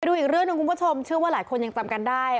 ดูอีกเรื่องหนึ่งคุณผู้ชมเชื่อว่าหลายคนยังจำกันได้